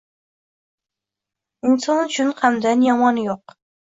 Inson uchun g‘amdan yomoni yo‘q.